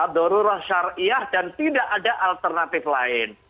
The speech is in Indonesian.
dorurah syariah dan tidak ada alternatif lain